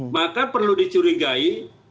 maka perlu dicurigai